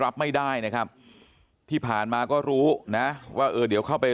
รับไม่ได้นะครับที่ผ่านมาก็รู้นะว่าเออเดี๋ยวเข้าไป